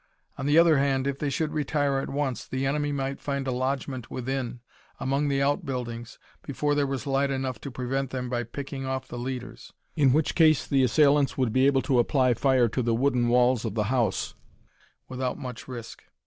On the other hand, if they should retire at once the enemy might find a lodgement within, among the outbuildings, before there was light enough to prevent them by picking off the leaders; in which case the assailants would be able to apply fire to the wooden wails of the house without much risk.